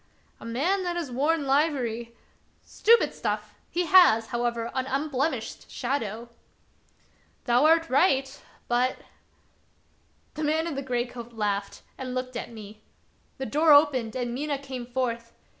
"A man that has worn livery" —" Stupid stuff ! he has, however, an unblemished shadow." " Thou art right, but" — The man in the gray coat laughed and looked at me. The door opened and Mina came forth.